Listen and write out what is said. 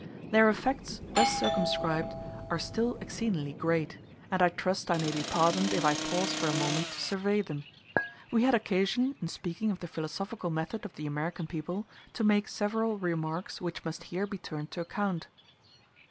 Their effects, thus circumscribed, are still exceedingly great; and I trust I may be pardoned if I pause for a moment to survey them. We had occasion, in speaking of the philosophical method of the American people, to make several remarks which must here be turned to account.